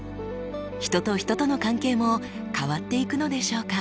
人と人との関係も変わっていくのでしょうか？